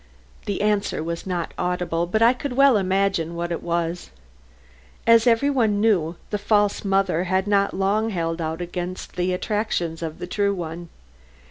The answer was not audible, but I could well imagine what it was. As every one knew, the false mother had not long held out against the attractions of the true one.